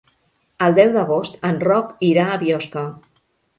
El deu d'agost en Roc irà a Biosca.